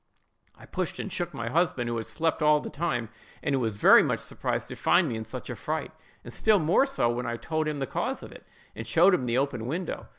I pushed and shook my husband, who had slept all the time, and who was very much surprised to find me in such a fright, and still more so when I told him the cause of it, and showed him the open window.